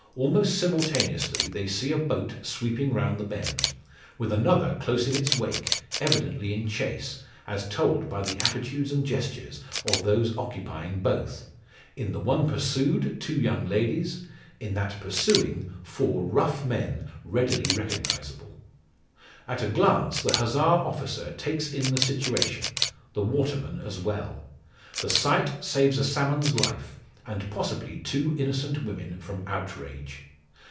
Almost simultaneously they see a boat sweeping round the bend, with another close in its wake, evidently in chase, as told by the attitudes and gestures of those occupying both in the one pursued two young ladies, in that pursuing four rough men readily recognisable. At a glance the Hussar officer takes in the situation the waterman as well. The sight saves a salmon's life, and possibly two innocent women from outrage.